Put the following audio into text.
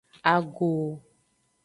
Ago.